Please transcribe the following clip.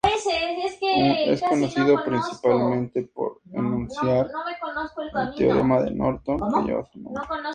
Es conocido principalmente por enunciar el Teorema de Norton, que lleva su nombre.